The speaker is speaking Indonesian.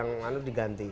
pasal pasal yang diganti